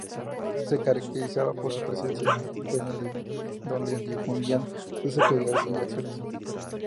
Se caracterizaba por su presencia en Internet, desde donde difundían sus actividades y acciones.